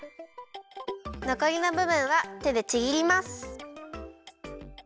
のこりのぶぶんはてでちぎります。